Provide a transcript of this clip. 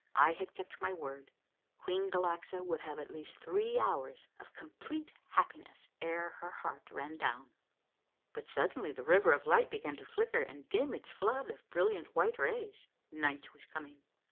I had kept my word — Queen Galaxa would have at least three hours of complete happiness ere her heart ran down. But suddenly the River of Liglit began to flicker and dim its flood of brilliant white rays. Night was coming.